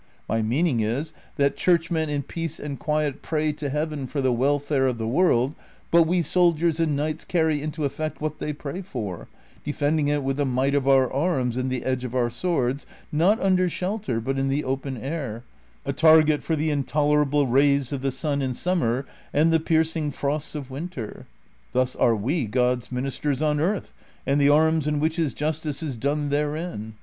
My meaning is, that church men in peace and quiet pray to Heaven for the welfare of the world, but we soldiers and knights carry into effect what they pray for, defending it with the might of our arms and the edge of our swords, not under shelter but in the open air, a target for the intolerable rays of the sun in summer and the piercing frosts of winter. Thus .are we God^s min isters on earth and the arms in which his justice is d6ne therein.